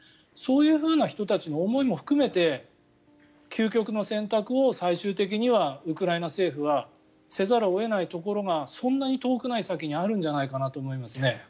そういう人たちの思いも含めて究極の選択を最終的にはウクライナ政府はせざるを得ないところがそんなに遠くない先にあるんじゃないかなと思いますね。